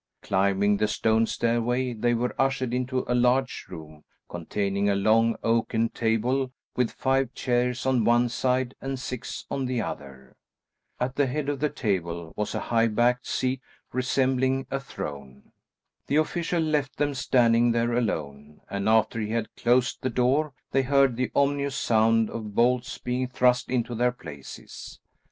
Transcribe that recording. Climbing the stone stairway they were ushered into a large room containing a long oaken table with five chairs on one side and six on the other. At the head of the table was a high backed seat resembling a throne. The official left them standing there alone, and after he had closed the door they heard the ominous sound of bolts being thrust into their places.